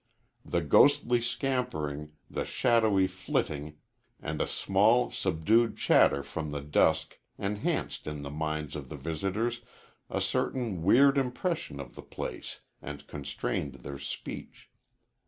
The ghostly scampering, the shadowy flitting, and a small, subdued chatter from the dusk enhanced in the minds of the visitors a certain weird impression of the place and constrained their speech.